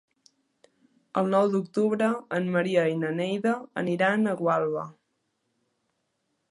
El nou d'octubre en Maria i na Neida aniran a Gualba.